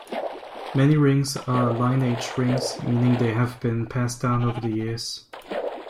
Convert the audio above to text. Many rings are "lineage" rings, meaning they have been passed down over the years.